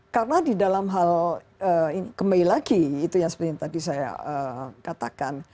karena di dalam hal kembali lagi itu yang tadi saya katakan